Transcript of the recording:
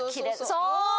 そう！